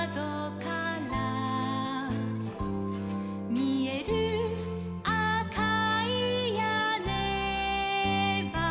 「みえるあかいやねは」